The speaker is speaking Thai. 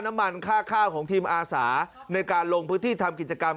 น้ำมันค่าข้าวของทีมอาสาในการลงพื้นที่ทำกิจกรรม